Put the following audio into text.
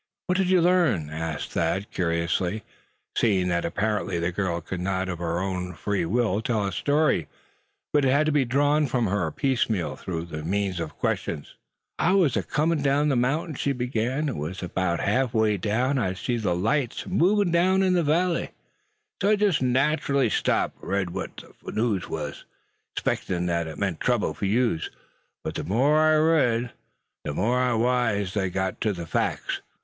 "What did you learn?" asked Thad, curiously, seeing that apparently the girl could not of her own free will tell a story, but it had to be drawn from her piece meal, through the means of questions. "I war acomin' down ther mounting," she began, "an' 'bout harf way hyah I seen thet ther lights war a movin' down in ther valley. So I jest natchally stopped ter read what ther news was, 'spectin' thet it meant trouble fur you uns. But the more I reads ther more I gits wise ter ther fack thet yer be'n an' done hit sum moah."